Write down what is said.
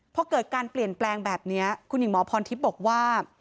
พอเกิดการเปลี่ยนแปลงแบบนี้คุณหญิงหมอพรทิพย์บอกว่า